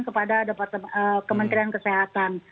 kepada kementerian kesehatan